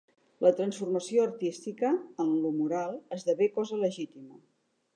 La transformació artística, en lo moral, esdevé cosa legítima.